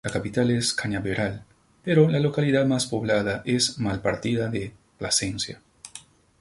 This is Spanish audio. La capital es Cañaveral, pero la localidad más poblada es Malpartida de Plasencia.